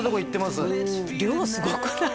すごくない？